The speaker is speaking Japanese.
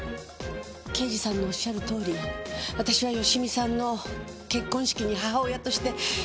刑事さんのおっしゃるとおり私は芳美さんの結婚式に母親として出席しました。